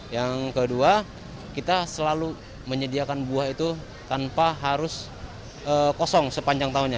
yang kedua kita selalu menyediakan buah itu tanpa harus kosong sepanjang tahunnya